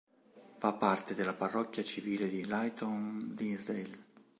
Fa parte della parrocchia civile di Leighton-Linslade.